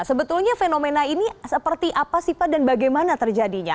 sebetulnya fenomena ini seperti apa dan bagaimana terjadinya